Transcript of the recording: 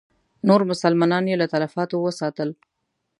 نور مسلمانان یې له تلفاتو وساتل.